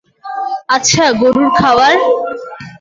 আচ্ছা, গরুর খাবার?